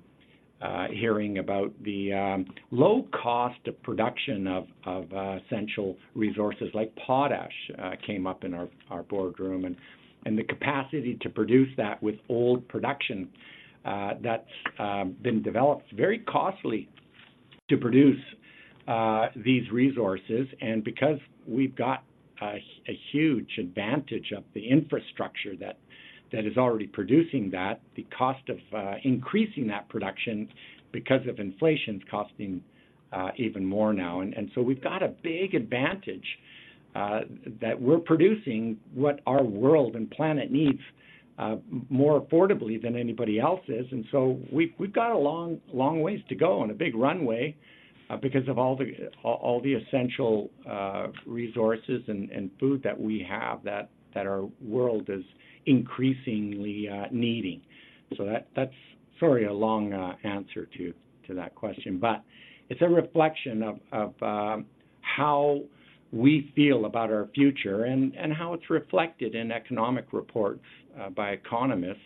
hearing about the low cost of production of essential resources like potash came up in our boardroom, and the capacity to produce that with old production that's been developed very costly to produce these resources. And because we've got a huge advantage of the infrastructure that is already producing that, the cost of increasing that production because of inflation is costing even more now. And so we've got a big advantage that we're producing what our world and planet needs more affordably than anybody else is. And so we've got a long ways to go and a big runway because of all the essential resources and food that we have, that our world is increasingly needing. So that's sorry, a long answer to that question, but it's a reflection of how we feel about our future and how it's reflected in economic reports by economists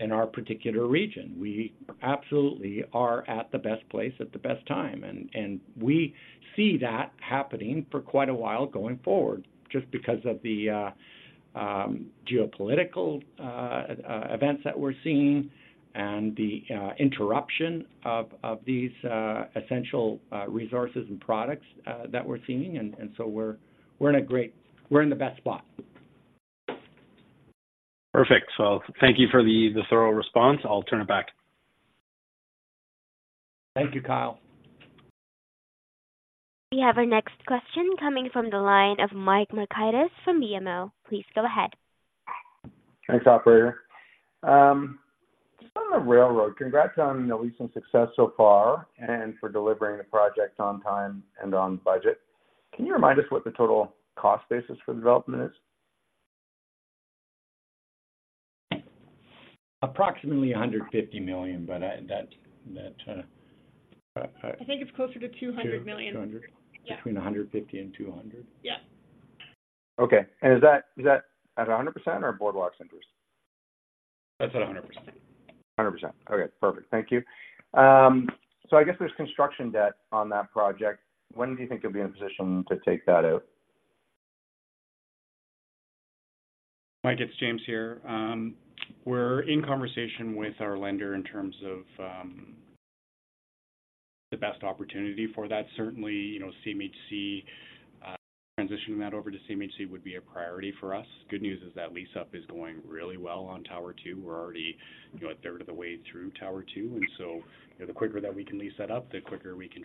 in our particular region. We absolutely are at the best place at the best time, and we see that happening for quite a while going forward, just because of the geopolitical events that we're seeing and the interruption of these essential resources and products that we're seeing. And so we're in the best spot. Perfect. So thank you for the thorough response. I'll turn it back. Thank you, Kyle. We have our next question coming from the line of Mike Markidis from BMO. Please go ahead. Thanks, operator. Just on the Railroad, congrats on the recent success so far and for delivering the project on time and on budget. Can you remind us what the total cost basis for the development is? Approximately 150 million, but that, I think it's closer to 200 million. 200 million? Yeah. Between 150 million and 200 million? Yeah. Okay. And is that, is that at 100% or Boardwalk's interest? That's at 100%. 100%. Okay, perfect. Thank you. So I guess there's construction debt on that project. When do you think you'll be in a position to take that out? Mike, it's James here. We're in conversation with our lender in terms of the best opportunity for that. Certainly, you know, CMHC transitioning that over to CMHC would be a priority for us. Good news is that lease-up is going really well on Tower Two. We're already, you know, a third of the way through Tower Two, and so, you know, the quicker that we can lease that up, the quicker we can.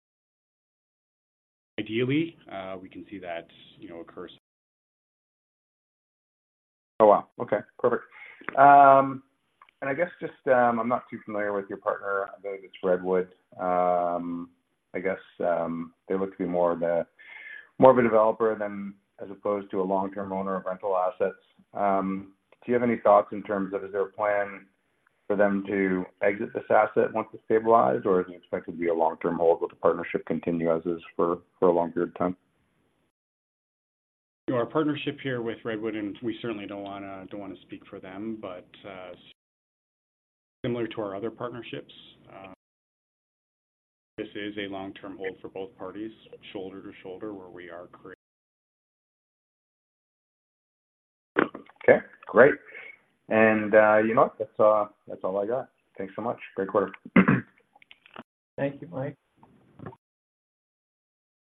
Ideally, we can see that, you know, occurs. Oh, wow. Okay, perfect. And I guess just, I'm not too familiar with your partner. I believe it's Redwood. I guess, they look to be more of a, more of a developer than as opposed to a long-term owner of rental assets. Do you have any thoughts in terms of, is there a plan for them to exit this asset once it's stabilized, or is it expected to be a long-term hold with the partnership continue as is for a long period of time? Our partnership here with Redwood, and we certainly don't want to speak for them, but similar to our other partnerships, this is a long-term hold for both parties, shoulder to shoulder, where we are creating. Okay, great. And, you know, that's all I got. Thanks so much. Great quarter. Thank you, Mike.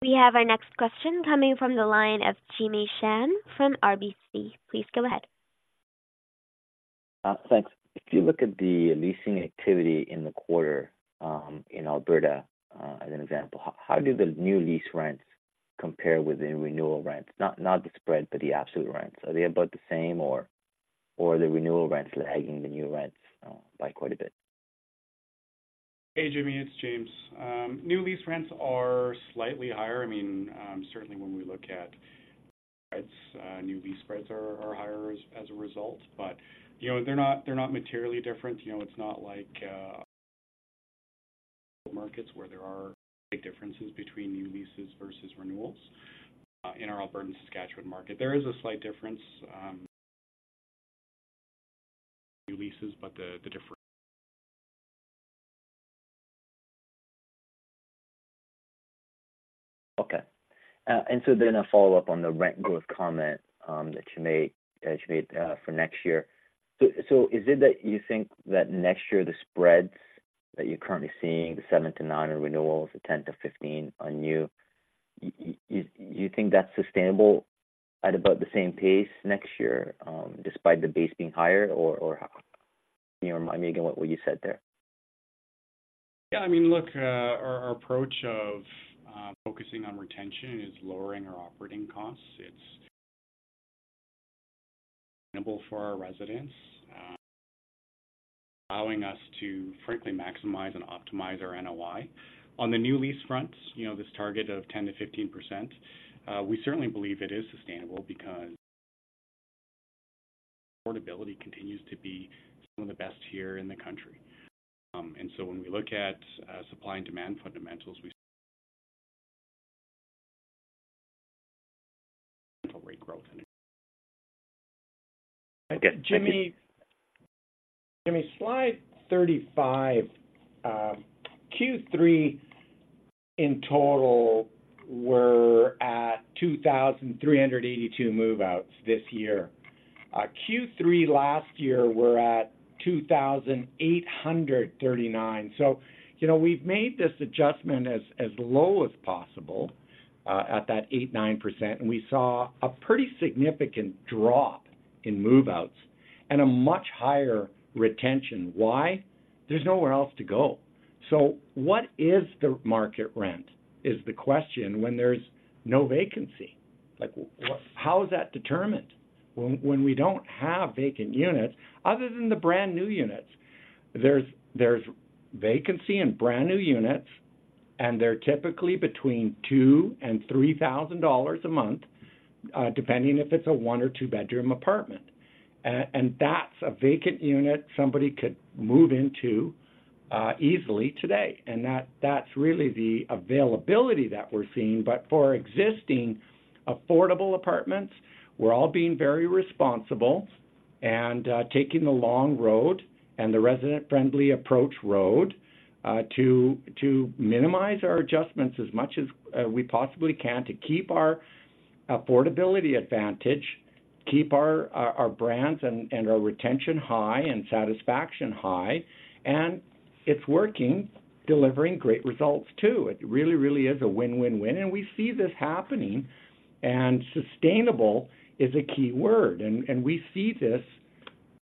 We have our next question coming from the line of Jimmy Shan from RBC. Please go ahead. Thanks. If you look at the leasing activity in the quarter, in Alberta, as an example, how do the new lease rents compare with the renewal rents? Not the spread, but the absolute rents. Are they about the same or are the renewal rents lagging the new rents by quite a bit? Hey, Jimmy, it's James. New lease rents are slightly higher. I mean, certainly when we look at rents, new lease rents are higher as a result. But, you know, they're not materially different. You know, it's not like markets where there are big differences between new leases versus renewals in our Alberta and Saskatchewan market. There is a slight difference, leases, but the. Okay. And so then a follow-up on the rent growth comment, that you made, that you made, for next year. So, is it that you think that next year, the spreads that you're currently seeing, the 7%-9% on renewals, the 10%-15% on new, you think that's sustainable at about the same pace next year, despite the base being higher? Or, can you remind me again what you said there? Yeah, I mean, look, our approach of focusing on retention is lowering our operating costs. It's sustainable for our residents, allowing us to frankly maximize and optimize our NOI. On the new lease fronts, you know, this target of 10%-15%, we certainly believe it is sustainable because affordability continues to be some of the best here in the country. And so when we look at supply and demand fundamentals, we rate growth. Jimmy, Jimmy, slide 35, Q3 in total, we're at 2,382 move-outs this year. Q3 last year, we're at 2,839. So, you know, we've made this adjustment as low as possible, at that 8%-9%, and we saw a pretty significant drop in move-outs and a much higher retention. Why? There's nowhere else to go. So what is the market rent, is the question, when there's no vacancy? Like, how is that determined when we don't have vacant units other than the brand-new units? There's vacancy in brand-new units, and they're typically between 2,000 and 3,000 dollars a month, depending if it's a 1 or 2-bedroom apartment. And that's a vacant unit somebody could move into easily today, and that's really the availability that we're seeing. But for existing affordable apartments, we're all being very responsible and taking the long road and the resident-friendly approach road to minimize our adjustments as much as we possibly can to keep our affordability advantage, keep our brands and our retention high and satisfaction high. And it's working, delivering great results, too. It really, really is a win-win-win, and we see this happening, and sustainable is a key word. And we see this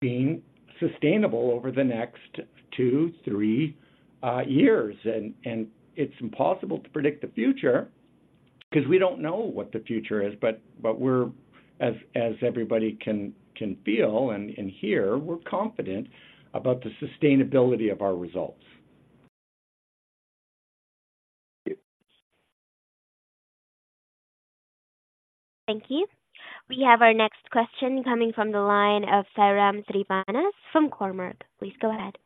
being sustainable over the next two, three years. And it's impossible to predict the future because we don't know what the future is, but we're, as everybody can feel and hear, we're confident about the sustainability of our results. Thank you. We have our next question coming from the line of Sairam Srinivas from Cormark. Please go ahead.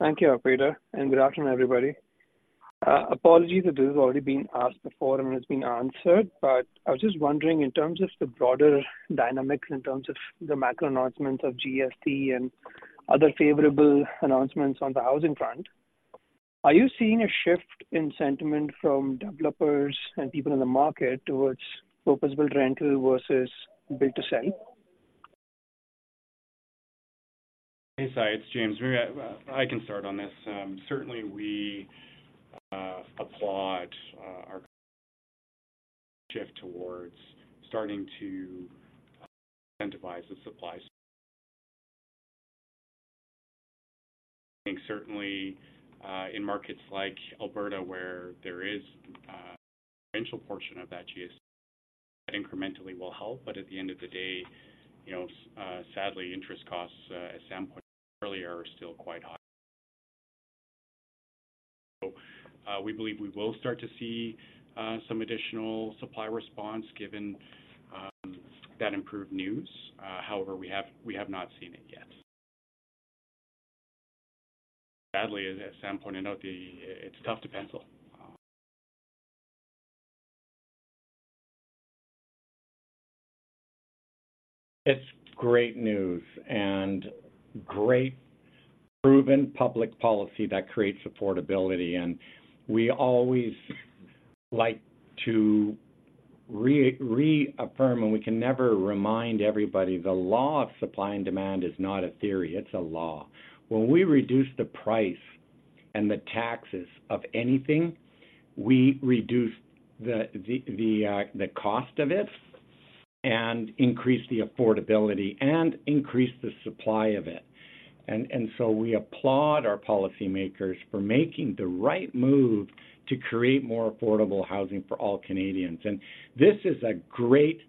Thank you, operator, and good afternoon, everybody. Apologies if this has already been asked before and has been answered, but I was just wondering, in terms of the broader dynamics, in terms of the macro announcements of GST and other favorable announcements on the housing front, are you seeing a shift in sentiment from developers and people in the market towards purpose-built rental versus build-to-sell? Hey, Sairam, it's James. Maybe I can start on this. Certainly, we applaud our shift towards starting to incentivize the supply. I think certainly, in markets like Alberta, where there is potential portion of that GST that incrementally will help. But at the end of the day, you know, sadly, interest costs, as Sam pointed earlier, are still quite high. We believe we will start to see some additional supply response given that improved news. However, we have not seen it yet. Sadly, as Sam pointed out, it's tough to pencil. It's great news and great proven public policy that creates affordability, and we always like to reaffirm, and we can never remind everybody, the law of supply and demand is not a theory, it's a law. When we reduce the price and the taxes of anything, we reduce the cost of it and increase the affordability and increase the supply of it. And so we applaud our policymakers for making the right move to create more affordable housing for all Canadians. And this is a great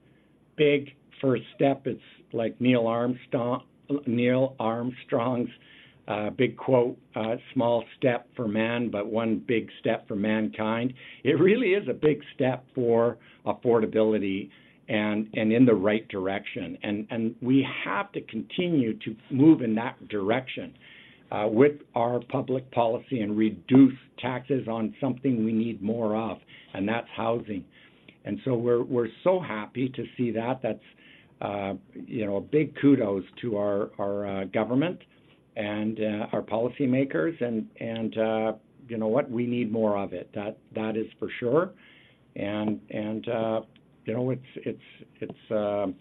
big first step. It's like Neil Armstrong's big quote, "Small step for man, but one big step for mankind." It really is a big step for affordability and in the right direction. We have to continue to move in that direction with our public policy and reduce taxes on something we need more of, and that's housing. So we're so happy to see that. That's, you know, a big kudos to our government and our policymakers, and, you know what? We need more of it. That is for sure. You know, it's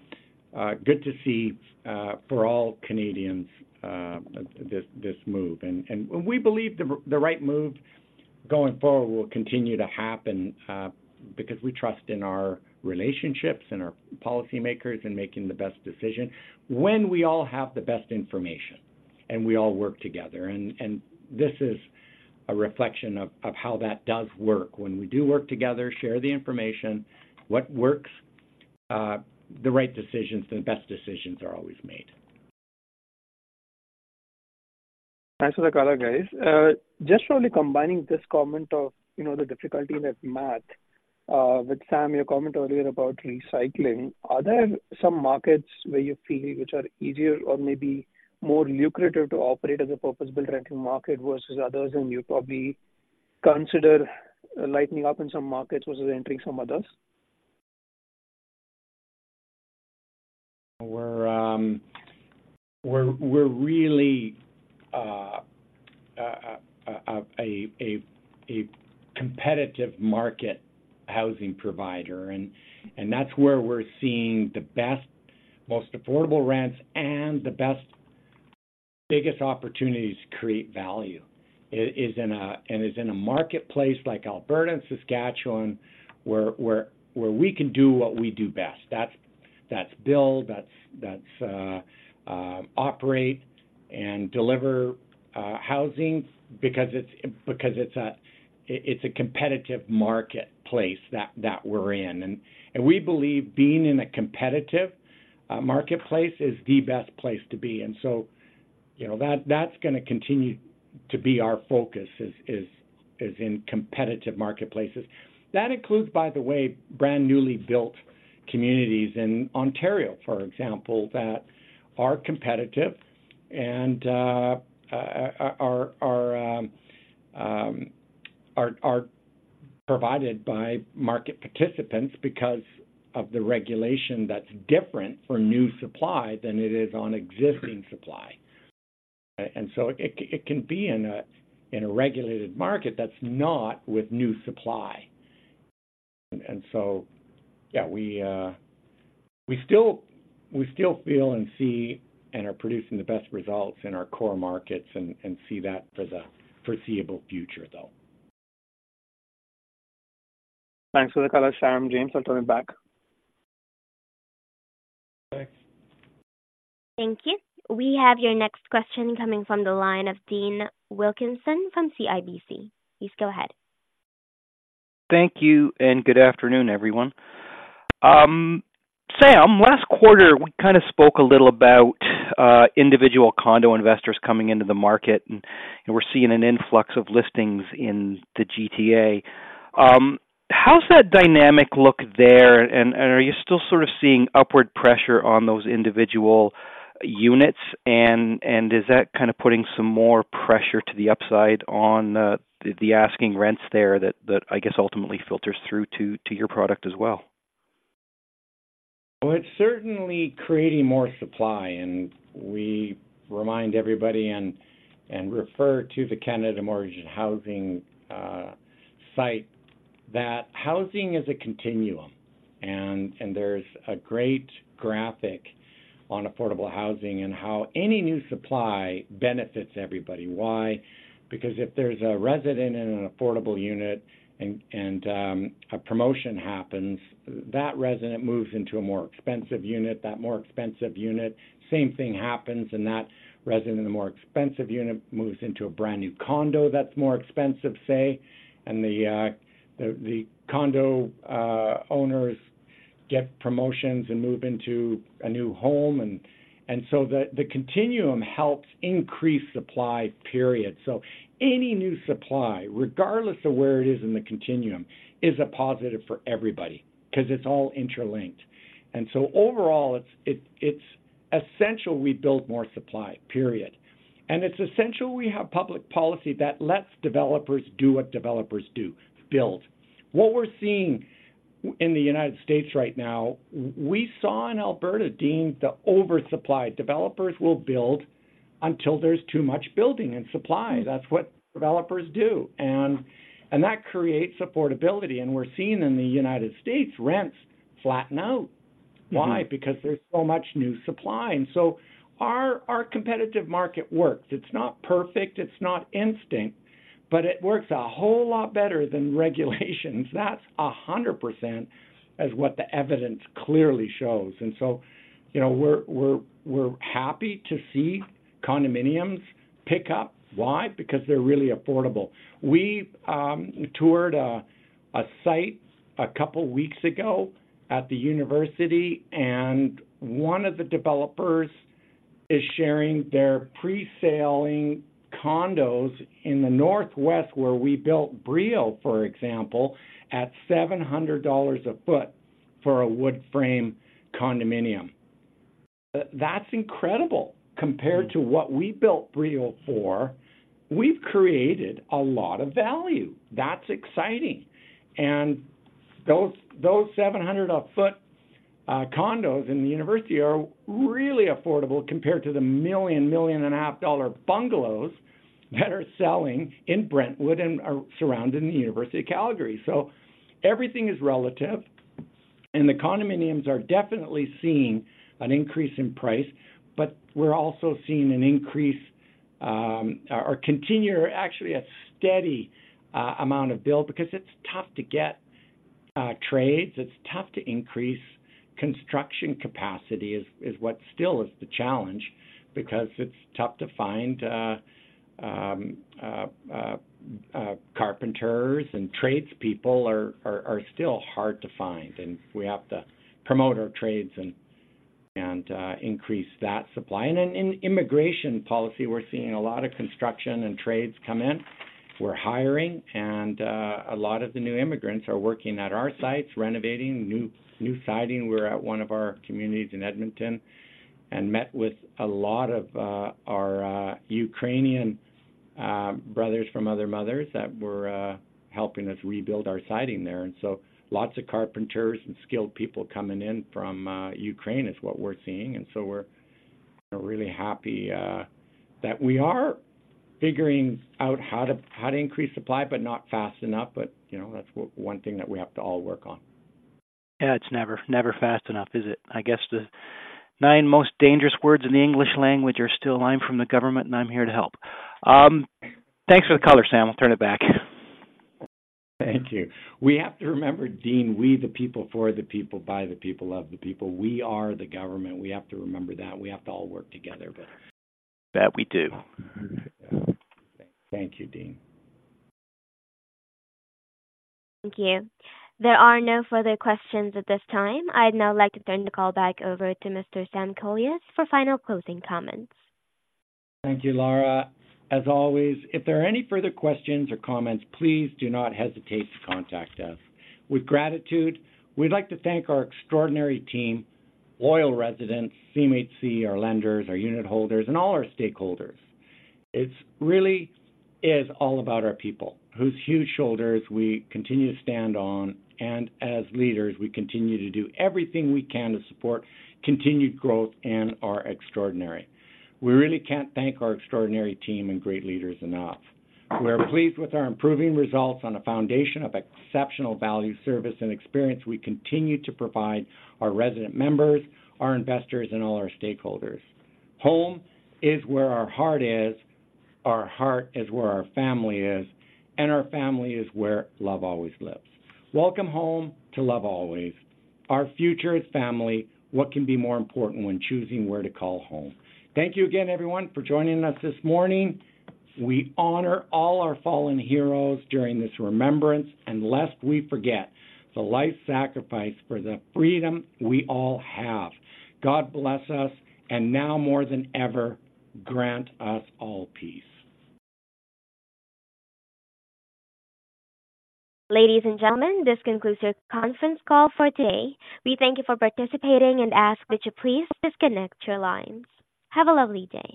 good to see for all Canadians this move. We believe the right move going forward will continue to happen because we trust in our relationships and our policymakers in making the best decision when we all have the best information and we all work together. This is a reflection of how that does work. When we do work together, share the information, what works, the right decisions, the best decisions are always made. Thanks for the color, guys. Just probably combining this comment of, you know, the difficulty that Matt, with Sam, your comment earlier about recycling. Are there some markets where you feel which are easier or maybe more lucrative to operate as a purpose-built rental market versus others, and you probably consider lightening up in some markets versus entering some others? We're really a competitive market housing provider, and that's where we're seeing the best, most affordable rents and the best, biggest opportunities to create value is in a marketplace like Alberta and Saskatchewan, where we can do what we do best. That's build, operate and deliver housing because it's a competitive marketplace that we're in. We believe being in a competitive marketplace is the best place to be. So, you know, that's gonna continue to be our focus is in competitive marketplaces. That includes, by the way, brand-new built communities in Ontario, for example, that are competitive and are provided by market participants because of the regulation that's different for new supply than it is on existing supply. And so it can be in a regulated market that's not with new supply. And so, yeah, we still feel and see and are producing the best results in our core markets and see that for the foreseeable future, though. Thanks for the color, Sam, James. I'll turn it back. Thanks. Thank you. We have your next question coming from the line of Dean Wilkinson from CIBC. Please go ahead. Thank you, and good afternoon, everyone. Sam, last quarter, we kind of spoke a little about individual condo investors coming into the market, and we're seeing an influx of listings in the GTA. How's that dynamic look there, and are you still sort of seeing upward pressure on those individual units? And is that kind of putting some more pressure to the upside on the asking rents there that I guess ultimately filters through to your product as well? Well, it's certainly creating more supply, and we remind everybody and refer to the Canada Mortgage and Housing Corporation site, that housing is a continuum. And there's a great graphic on affordable housing and how any new supply benefits everybody. Why? Because if there's a resident in an affordable unit and a promotion happens, that resident moves into a more expensive unit. That more expensive unit, same thing happens, and that resident in the more expensive unit moves into a brand-new condo that's more expensive, say. And the condo owners get promotions and move into a new home. And so the continuum helps increase supply, period. So any new supply, regardless of where it is in the continuum, is a positive for everybody 'cause it's all interlinked. And so overall, it's essential we build more supply, period. It's essential we have public policy that lets developers do what developers do, build. What we're seeing in the United States right now, we saw in Alberta, Dean, the oversupply. Developers will build until there's too much building and supply. That's what developers do. And that creates affordability, and we're seeing in the United States, rents flatten out. Why? Because there's so much new supply. And so our competitive market works. It's not perfect, it's not instant, but it works a whole lot better than regulations. That's 100% as what the evidence clearly shows. And so, you know, we're happy to see condominiums pick up. Why? Because they're really affordable. We toured a site a couple weeks ago at the university, and one of the developers is sharing their pre-selling condos in the northwest, where we built Brio, for example, at 700 dollars a foot for a wood-frame condominium. That's incredible! Compared to what we built Brio for, we've created a lot of value. That's exciting. And those seven hundred a foot condos in the university are really affordable compared to the 1 million, 1.5 million bungalows that are selling in Brentwood and are surrounding the University of Calgary. So everything is relative, and the condominiums are definitely seeing an increase in price, but we're also seeing an increase, or continue, or actually a steady amount of build because it's tough to get trades. It's tough to increase construction capacity, is what still is the challenge, because it's tough to find carpenters and tradespeople are still hard to find, and we have to promote our trades and increase that supply. And in immigration policy, we're seeing a lot of construction and trades come in. We're hiring, and a lot of the new immigrants are working at our sites, renovating, new siding. We're at one of our communities in Edmonton and met with a lot of our Ukrainian brothers from other mothers that were helping us rebuild our siding there. And so lots of carpenters and skilled people coming in from Ukraine is what we're seeing, and so we're really happy that we are figuring out how to increase supply, but not fast enough. But, you know, that's one thing that we have to all work on. Yeah, it's never, never fast enough, is it? I guess the nine most dangerous words in the English language are still: I'm from the government, and I'm here to help. Thanks for the color, Sam. I'll turn it back. Thank you. We have to remember, Dean, we the people, for the people, by the people, of the people. We are the government. We have to remember that. We have to all work together. That we do. Thank you, Dean. Thank you. There are no further questions at this time. I'd now like to turn the call back over to Mr. Sam Kolias for final closing comments. Thank you, Lara. As always, if there are any further questions or comments, please do not hesitate to contact us. With gratitude, we'd like to thank our extraordinary team, loyal residents, CMHC, our lenders, our unitholders, and all our stakeholders. It's really is all about our people, whose huge shoulders we continue to stand on, and as leaders, we continue to do everything we can to support continued growth and are extraordinary. We really can't thank our extraordinary team and great leaders enough. We are pleased with our improving results on a foundation of exceptional value, service, and experience we continue to provide our resident members, our investors, and all our stakeholders. Home is where our heart is, our heart is where our family is, and our family is where love always lives. Welcome home to Love Always. Our future is family. What can be more important when choosing where to call home? Thank you again, everyone, for joining us this morning. We honor all our fallen heroes during this remembrance, and lest we forget, the life sacrifice for the freedom we all have. God bless us, and now more than ever, grant us all peace. Ladies and gentlemen, this concludes your conference call for today. We thank you for participating and ask that you please disconnect your lines. Have a lovely day.